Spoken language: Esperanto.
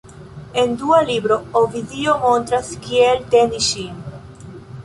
En dua libro, Ovidio montras kiel teni ŝin.